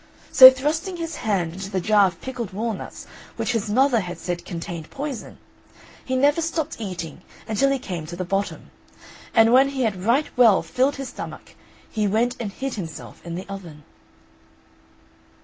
So thrusting his hand into the jar of pickled walnuts which his mother had said contained poison, he never stopped eating until he came to the bottom; and when he had right well filled his stomach he went and hid himself in the oven.